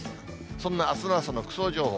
そんなあすの朝の服装情報。